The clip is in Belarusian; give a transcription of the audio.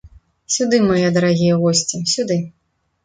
Сюды, мае дарагія госці, сюды.